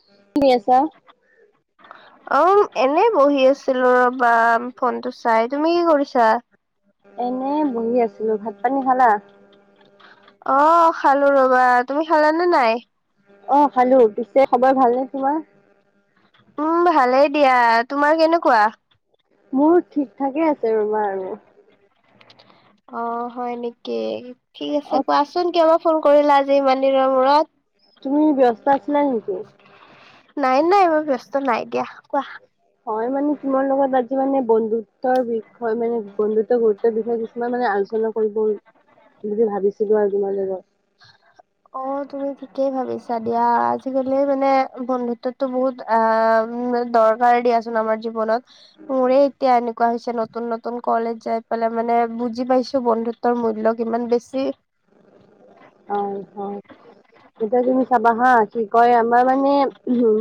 [unintelligible] আছা? অ', এনে বহি আছিলো ৰ'বা ফোনটো চাই, তুমি কি কৰিছা? এনে বহি আছিলো, ভাত-পানী খালা? অ', খালো ৰ'বা, তুমি খালানে নাই? অ', খালো, পিছে খবৰ ভাল নে তোমাৰ? উম, ভালে দিয়া, তোমাৰ কেনেকুৱা? মোৰ ঠিক ঠাকে আছে ৰ'বা আৰু। অ', হয় নেকি, ঠিক আছে অ কোৱাচোন কিয় বা ফোন কৰিলা আজি ইমান দিনৰ মূৰত? তুমি ব্যস্ত আছিলা নেকি? নাই নাই মই ব্যস্ত নাই দিয়া কোৱা? হমই মানে তোমাৰ লগত আজি মানে বন্ধুত্বৰ বিষয় মানে বন্ধুত্ব গুৰুত্বৰ বিষয়ে কিছুমান মানে আলোচনা কৰিব বুলি ভাবিছিলো আৰু তোমাৰ লগত। অ', তুমি ঠিকেই ভাবিছা দিয়া, আজিকালি মানে বন্ধুত্বতো বহুত আ, দৰকাৰ দিয়াচোন আমাৰ জীৱনত। মোৰে এতিয়া এনেকুৱা হৈছে নতুন নতুন কলেজ যাই পেলাই মানে বুজি পাইছো বন্ধুত্ব ৰ মূল্য কিমান বেছি। হয় হয় এতিয়া তুমি চাবা হা কি কয় আমাৰ মানে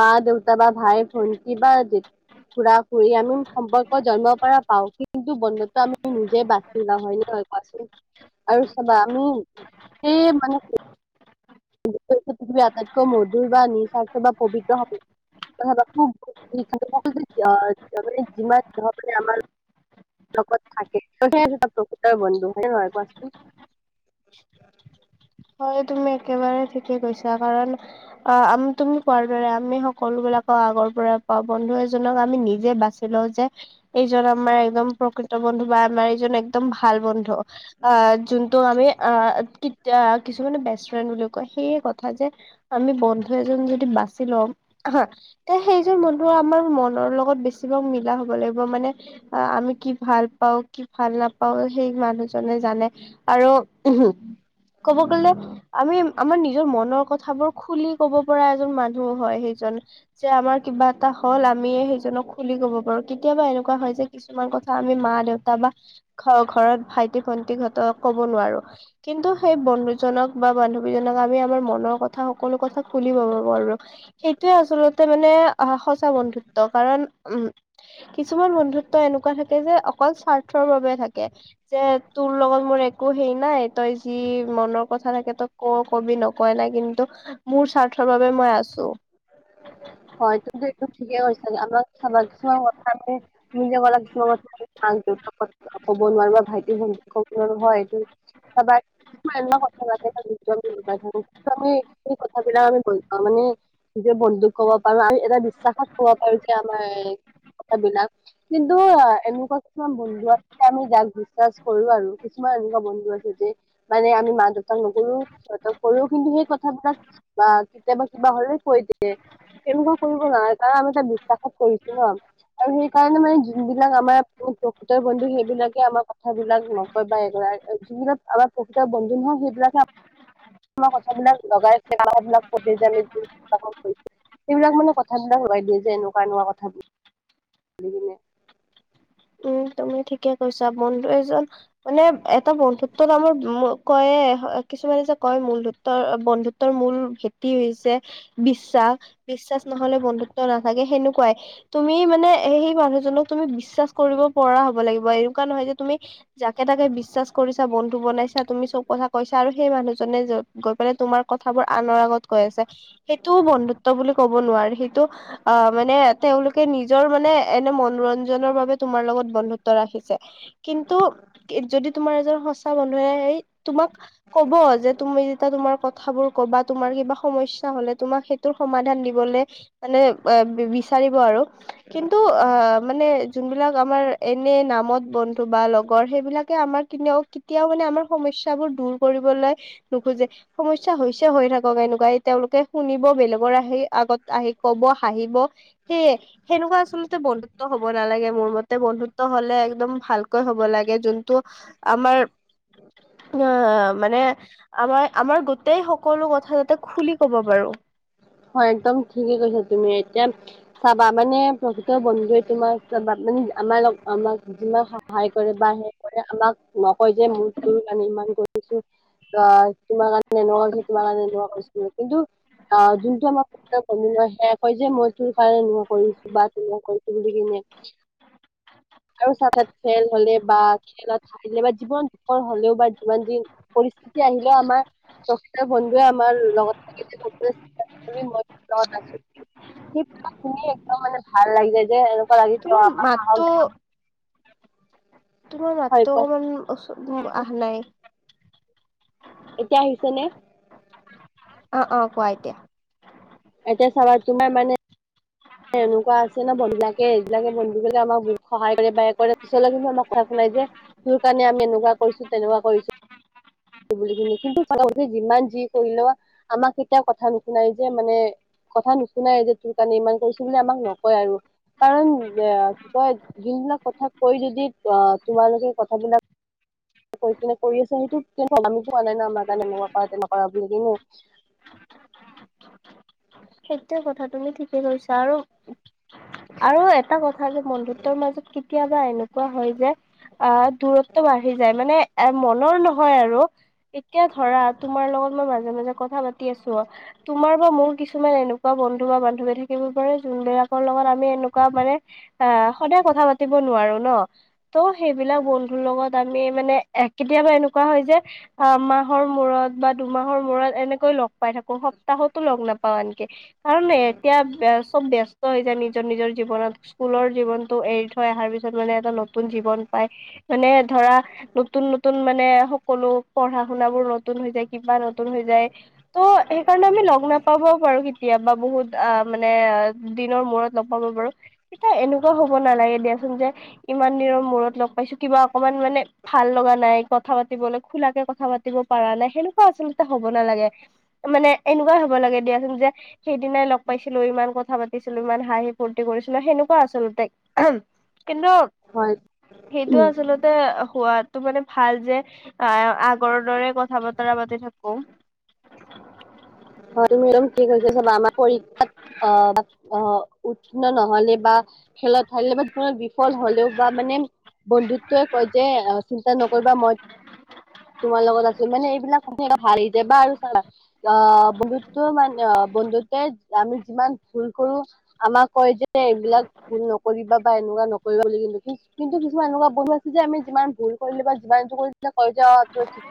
মা দেউতা বা ভাই ভন্তি বা জেত খুৰা খুৰি আমি সম্পৰ্ক জন্মৰ পৰা পাও কিন্তু বন্ধত্ব আমি নিজে বাছি লোও হয় নে নহয় কোৱাচোন আৰু চাবা আমি সেই মানে কি পৃথৱীৰ আটাইতকৈ মধুৰ বা নিঃস্বাৰ্থ বা পবিত্ৰ [unintelligible] [inaudible] লগত থাকে ত সেয়া প্ৰকৃতৰ বন্ধু হয় নহয় কোৱাচোন হয় তুমি একেবাৰে ঠিকে কৈছা কাৰণ অ আমি তুমি কোৱাৰ দৰে আমি সকলো বিলাকক আগৰ পৰা পাওঁ বন্ধু এজনক আমি নিজে বাচ ছি লও যে এইজন আমাৰ একদম প্ৰকৃত বন্ধু বা আমাৰ এইজন একদম ভাল বন্ধু। আ যোনটো আমি আ কিত্তা কিছুমানে বেষ্ট ফ্ৰেণ্ড বুলিও কয় সেইয়ে কথা যে আমি বন্ধু এজন যদি বাচি লম হা তে সেইজন বন্ধ আমাৰ মনৰ লগত বেছিভাগ মিলা হব লাগিব মানে আ আমি ভাল পাওঁ কি ভাল নাপাওঁ সেই মানুহজনে জানে। আৰু উম হম ক'ব গলে আমি আমাৰ নিজৰ মনৰ কথাবোৰ খুলি ক'ব পৰা এজন মানুহ হয় সেইজন। যে আমাৰ কিবা এটা হ'ল আমিয়ে সেইজনক খুলি ক'ব পাৰো কেতিয়াবা এনেকুৱা হয় যে কিছ ছুমান কথা আমি মা দেউতা বা ঘ ঘৰত ভাইটি ভন্টিহতক ক'ব নোৱাৰো কিন্তু সেই বন্ধুজনক বা বান্ধৱী জনক আমি আমাৰ মনৰ কথা সকলো কথা খুলি ক'ব পাৰো। সেইটোয়ে আচলতে মানে আহ সঁচা বন্ধুত্ব কাৰণ উম কিছুমান বন্ধুত্ব এনেকুৱা থাকে যে অকল স্বাৰ্থৰ বাবে থাকে। যে তোৰ লগত মোৰ একো হেই নাই তইছ যি মনৰ কথা থাকে তই ক কবি নকয় নাই কিন্তু মোৰ স্বাৰ্থৰ বাবে মই আছো। হয় তমো এক ঠিকেই কৈছা আমাক চাবা কিছু কথা আম [inaudible] তুমি যে ক'লা কিছুমান কথা মাক দেউতাক কথা ক'ব নোৱাৰো ভাইটি ভণ্টি ক'ব নোৱাৰো হয় সেইটো [unintelligible] হেই কথা গিলাক আমি [unintelligible] মানে নিজৰ বন্দুক কব পাৰো আৰু এটা বিশ্বাসত কব পাৰো যে আমাৰ এ কথাবিলাক কিন্তু অ এনেকুৱা কিছুমান বন্ধু আছে আমি যাক বিশ্বাছ কৰো আৰু কিছুমান এনেকুৱা বন্ধু আছে যে মানে আমি মা দেউতাক নকৰো সিহঁত কৰো কিন্তু সেই কথাবিলাক বা কেতিয়াবা কিবা হ'লে কৈ দিয়ে। এনেকুৱা কৰিব নোৱাৰে কাৰণ আমি তাৰ এতিয়া বিশ্বাসত কৰিছো ন। আৰু সেই কাৰণে মানে যোন বিলাক আমাৰ বন্ধু আমাৰ কথ বিলাক ম [inaudible] বা যিবিলাক আমাৰ প্ৰকৃত বন্ধু নহয় সেইবিলাকে কথাবিলাক লগাই [unintelligible] সেইবিলাক মানে কথ [inaudible] বিলাক লৈ দিয়ে যে এনেকুৱা কেনেকুৱা কথাবিলাক উম, তুমি ঠিকে কৈছা বন্ধু এজন মানে এটা বন্ধুত তাত মোৰ কয়ে কিছুমানে যে কয় মূলূত্বৰ বন্ধুত্বৰ মূল সেইত কি হৈছে বিশ্বাস বিশ্বাছ নহলে বন্ধুত্ব নাথ থাকে সেনেকুৱাই তুমি মানে সেই মানুহজনক তুমি বিশ্বাছ কৰিব কৰা হ'ব লাগিব এনেকুৱা নহয় যে তুমি যাকে তাকে বিশ্বাছ কৰিছা বন্ধু বনাইছা তুমি চব কথা কৈছা আৰু সেই মানুহজনে যত গৈ পেলাই তোমাৰ কথাবোৰ আনৰ আগত কৈ আছে সেইটোও বন্ধুত্ব বুলি কব নোৱাৰি সেইটো অ মানে তেওঁলোকে নিজৰ মানে এনে মনোৰঞ্জনৰ বাবে তোমাৰ লগত বন্ধুত্ব ৰাখিছে। কিন্তু যদি তোমাৰ এজন সঁচা বন্ধুয়ে সেই তোমাক ক'ব যে তুমি যেতিয়া তোমাৰ কথাবোৰ কবা তোমাৰ কিবা সমস্য সমস্যা হ'লে তোমাক সেইটোৰ সমাধান দিবলে মানে বিচাৰিব আৰু। কিন্তু আ মানে যোনবিলাক আমাৰ এনে নামত বন্ধু বা লগৰ সেইবিলাকে আমাৰ ইনেও কেতিয়াও মানে আমাৰ সমস্যাবোৰ দূৰ কৰিবলৈ নোখোজে। স সমস্যা হৈছে হৈ থাকক এনেকুৱা এই তেওঁলোকে শুনিব বেলেগৰ আহি আগত আহি ক'ব, হাঁহিব। সেয়ে সেনেকুৱা আচলতে বন্ধুত্ব হ'ব নালাগে। মোৰ মতে বন্ধুত্ব ত্ব হ'লে একদম ভালকৈ হ'ব লাগে যোনটো আমাৰ তোমাৰ মানে আমাৰ আমাৰ গোটেই সকলো কথা যাতে খুলি ক'ব পাৰো। হয়, একদম ঠিকে কৈছা তুমি। এতিয়া চাবা মানে প্ৰকৃত বন্ধুৱে তোমাক চাবা আমাক যিমান সহায় বা হেৰি কৰে আমাক নকয় যে তোক আমি ইমান কৰি থৈছো। অ, তোমাৰ কাৰণে এনেকোৱা কৰিছিলো, তোমাৰ কাৰণে তেনেকুৱা কৰিছিলো কিন্তু অ যোন যিটো আমাৰ প্ৰকৃত বন্ধু নহয় সেইয়াই কয় যে মই তোৰ কাৰণে এনেকোৱা কৰিছো বা তেনেকুৱা কৰিছো বুলি কেনে আৰু চাবা খেল হ'লে বা খেলত হাৰিলে বা যিমান বিপদ হ'লেও বা যিমান যি পৰিস্থিতি আহিলেও আমাৰ প্ৰকৃত বন্ধুয়ে আমাৰ লগত থাকিব। [unintelligible] এই নামনি অসমৰ মানুহবোৰে অলপ ভালদৰে কথাবোৰ ক'বচোন কিনো বকে একো বুজিয়ে নাপাওঁ, ইমান অদ্ভুত অসমীয়া কেনেকে কয় বাৰু। ইৰিটেত কৰি দিয়ে মানে। অলপ ভালকে কবলে চেষ্টা কৰিব ইটছ ৰিকুৱেষ্ট। সেই শুনি একদম মানে ভাল লাগি যায় তোমাৰ যে এনেকোৱা লাগিছে মাতটো আমাক সাহস দেখাব তোমাৰ হয় মাতটো কোৱা, অকনমান ওচ আহা নাই। এতিয়া আহিছে নে? অ অ কোৱা এতিয়া। এতিয়া চাবা তোমাৰ মানে এনেকুৱা আছে ন বন্ধুিলাকে সেইবিলাকে বন্ধুবিলাকে বহু সহায় কৰে বা কৰে পিছ কিন্তু আমাক শুনাই যে তোৰ কাৰণে আমি এনেকুৱা কৰিছো, তেনেকুৱা কৰিছে। কিন্তু যিমান যি কৰিলেও আমাক এতিয়া কথা নুশুনাই যে মানে কথা নুশুনাইয়ে যে তোৰ কাৰণে ইমান কৰিছো বুলি আমাক নকয় আৰু। কৰণ মই বিভিন্ন কথা কৈ নিদি তোমালোকে কথাবিলাক [unintelligible] সেইটোৱে কথাটো। তুমি ঠিকে কৈছা আৰু আৰু এক এটা কথা যে বন্ধুত্বৰ মাজত কেতিয়াবা এনেকুৱা হয় যে আ দূৰত্ব বাঢ়ি যায় মানে এ মনৰ নহয় আৰু। এতিয়া ধৰা তোমাৰ লগত মই মাজে মাজে কথা পাতি আছো, তোমাৰ বা মোৰ কিছুমান এনেকুৱা এনেকুৱা বন্ধু বা বান্ধৱী থাকিব পাৰে যোনবিলাকৰ লগত আমি এনেকুৱা মানে আ সদায় কথা পাতিব নোৱাৰো ন। ত' সেইবিলাক বন্ধুৰ লগত আমি মানে কেতিয়াবা এনেকুৱা হয় যে এমাহৰ মূৰত বা দুমাহৰ মূৰত এনেকৈ লগ পাই থাকো সপ্তাহতো লগ নাপাওঁ আনকি। কাৰণ এতিয়া চব ব্য ব্যস্ত হৈ যায় নিজৰ নিজৰ জীৱনত স্কুলৰ জীৱনটো এৰি থৈ অহাৰ পিছত মানে এটা নতুন জীৱন পায়। মানে ধৰা নতুন নতুন মানে সকলো পঢ়া-শুনাবোৰ নতুন হৈ যায় কিবা নতুন হৈ যায় ত' সেইকাৰণে আমি লগ নাপাবও পাৰো কিন্তু কেতিয়াবা বহুত, আ, মানে দিনৰ মূৰত লগ পাব বাৰু? এতিা এনেকুৱা হব নালাগে দিয়াচোন যে ইমান দিনৰ মূৰত লগ পাইছোঁ কিবা অকমান মানে ভাল লগা নাই, কথা পাতিবলৈ খোলাকে কথা পাতিব পৰাা নাই সেনেকুৱা আচলতে হ'ব নালাগে। মানে এনেকুৱা হব লাগে দিয়াচোন যে সেইদিনাই লগ পাইছিলোঁ, ইমান কথা পাতিছিলোঁ, ইমান হাঁহি ফূুৰ্তি কৰিছিলোঁ, সেনেকুৱা আছিলোঁ তাইক কিন্তু, হয় সেইটো হোৱাতো মানে ভাল যে এ আগৰ দৰে কথা বতৰা পাতি থাকো। [unintelligible] পৰীক্ষাত অ', অ', উত্তীৰ্ণ নহলে বা খেলা [unintelligible] বিফল হলেও বা মানে বন্ধুত্বয়ে কয় যে চিন্তা নকৰিবা মই তোমাৰ লগত আছোঁ। মানে এইবিলাক হাৰি যায় বা আৰু চাৰা [inaudible] অ, বন্ধুত্ব মানে অ, বন্ধুতে আমি যিমান ভুল কৰো আমাক কয় যে এইবিলাক ভুল নকৰিবা বা এনেকুৱা নকৰিবা বুলি কিন্তু কি কিন্তু কিছুমান এনেকুৱা বন্ধু আছে যে আমি যিমান ভুল কৰিলো বা যিমান যটো কৰি কৈ য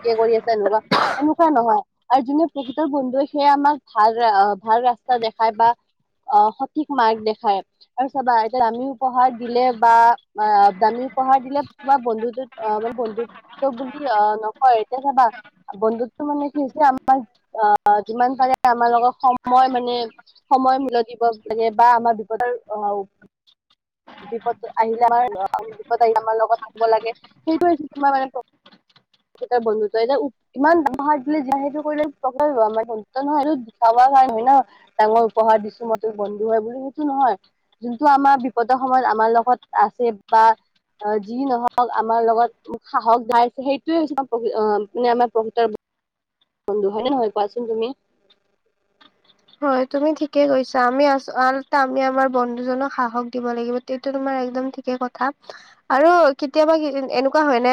কি কৰি আছা এনেকুৱা, যেনেকুৱা নহয়। আৰু যোনে প্ৰকৃত বন্ধুৱে সেয়ে আমাক ভাল, ভাল ৰাস্তা দেখায় বা অ', সঠিক মাৰ্ক দেখায়। আৰু চাবা এতিয়া দামী উপহাৰ দিলে বা এ দামী উপহাৰ দিলে তোমাৰ বন্ধুত্ব অ, মানে বন্ধুত্ব বুলি নহয়। এতিয়া চাবা বন্ধুতটো মানে কি হৈছে আমাৰ অ, যিমান পাৰে আমাৰ লগত সময় মানে সময় মূল্য দিব লাগে বা আমাৰ বিপদৰ অ, বিপদ আহিলে আমাৰ অ, বিপদ আহিলে আমাৰ লগত থাকিব লাগে। সেইটো তোমাৰ মানে [unintelligible] বন্ধুত্ব। এতিয়া ইমান [unintelligible] দিলে য [unintelligible] ডাঙৰ উপহাৰ দিছো মই তোৰ বন্ধু হয় বুলি সেইটো নহয়। যোনটো আমাৰ বিপদৰ সময়ত আমাৰ লগত আছে, বা অ', যি নহওঁক আমাৰ লগত মোক সাহস যাইছে সেইটোয়ে হৈছে অ, প [unintelligible] মানে আমাৰ প্ৰকৃতৰ বন্ধু হয় নে নহয় কোৱাচোন তুমি? হয়', তুমি ঠিকে কৈছা আমি আছ আচলতে আমি আমাৰ বন্ধুজনক সাহস দিব লাগিব। এইটো তোমাৰ একদম ঠিকেই কথা, আৰু কেতিয়াবা এনেকুৱা হয় ন?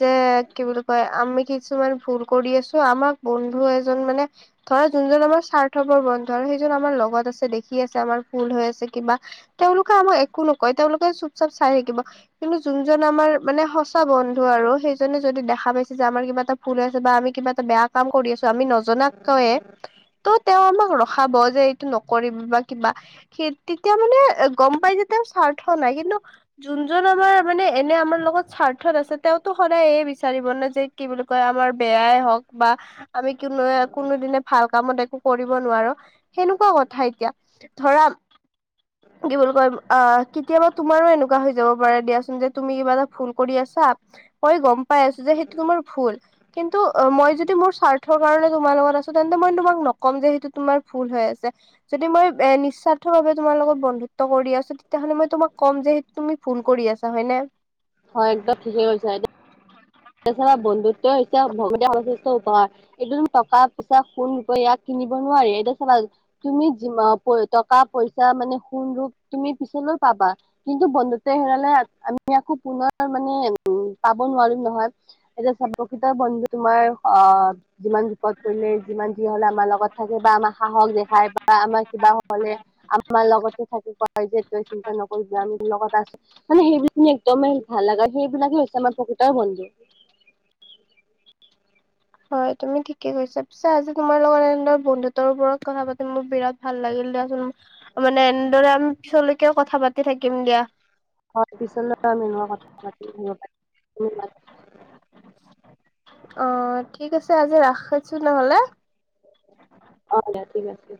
যে কি বুলি কয় আমি কিছুমান ভুল কৰি আছোঁ আমাক বন্ধু এজন মানে ধৰা যোনজন আমাৰা স্বাৰ্থ বন্ধ আৰু সেইজন আমাৰ লগত আছে দেখি আছে আমাৰ ভূল হৈ আছে কিবা তেওঁলোকে আমাক একো নকয়, তেওঁলোকে চুপ- চাপ চাই থাকিব কিন্তু যোনজন আমাৰ মানে সঁচা বন্ধু আৰু সেইজনে যদি দেখা পাইছে যে আমাৰ কিবা এটা ভূল হৈ আছে বা আমি কিবা এটা বেয়া কাম কৰি আছোঁ, আমি নজনা কৈয়ে [inaudible] তেওঁ আমাক ৰখাব যে এইটো নকৰিবি বা কিবা সেই তেতিয়া মানে গম পাই যে তেওঁৰ স্বাৰ্থ নাই কিন্তু যোনজন আমাৰ মানে এনে আমাৰ লগত স্বাৰ্থত আছে, তেওঁতো সদায় এইয়ে বিচাৰিব নে যে কি বুলি কয় আমাৰ বেয়াই হওঁক বা আমি কোনো কোনোদিনে ভাল কামত একো কৰিব নোৱাৰোঁ, সেনেকুৱা কথা এতিয়া, ধৰা [inaudible] কি বুলি কয়। অ, কেতিয়াবা তোমাৰো এনেকুৱা হৈ যাব পাৰে দিয়াচোন, যে তুমি কিবা এটা ভুল কৰি আছা মই গম পাই আছোঁ যে সেইটো তোমাৰ ভুল। কিন্তু অ' মই যদি মোৰ স্বাৰ্থৰ কাৰণ তোমাৰ লগত আছোঁ তেন্তে মই তোমাক ন- কম যে সেইটো তোমাৰ ভুল হৈ আছে। যদি মই এ নিস্বাৰ্থ ভাৱে তোমাৰ লগত বন্ধুত্ব কৰি আছোঁ তেতিয়াহ'লে মই তোমাক ক'ম যে- তুমি ভূল কৰি আছা হয় নে। হয়', একদম ঠিকেই কৈছা এতিয়া- এই চাবা বন্ধুত্ব এতিয়া হৈছে ভকতীয়া সংস্কৃতিৰ উপহাৰ। একদম টকা-পইচা, সোণ, ৰূপে ইয়াক কিনিব নোৱাৰি, এতিয়া চাবা- তুমি যিমান টকা-পইচা মানে সোণ, ৰূপ তুমি পিছলৈ পাবা। কিন্তু বন্ধুত হেৰালে আমি আকৌ পুনৰ মানে উম' পাব নোৱাৰিম নহয়। এতিয়া চব প্ৰকৃত বন্ধু তোমাৰ অ'- যিমান সুখত পৰিলে যিমান যি হ'লেও আমাৰ লগত থাকে বা আমাৰ সাহস দেখাই - বা আমাৰ কিবা হ'লে আমাৰ লগতে থাকি কয় যে তই চিন্তা নকৰিবি আমি লগত আছোঁ। মানে সেইবোৰ খিনি একদমেই ভাল লগা সেইবিলাকে হৈছে আমাৰ প্ৰকৃত বন্ধু। হয়', তুমি ঠিকে কৈছা। পিছে আজি তোমাৰ লগত এনেদৰে বন্ধুতৰ ওপৰত কথা পাতি মোৰ বিৰাট- ভাল লাগিল দিয়াচোন, মানে এনেদৰে আমি পিছলৈকে কথা পাতি থাকিম দিয়া। হয়', পিছলৈ আমি এনেকুৱা কথা-চথা পাতি থাকিব পাৰিম বহুত ভাল লাগিব। অঁ', ঠিক আছে আজি ৰাখিছোঁ নহ'লে। অঁ', দিয়া ঠিক আছে।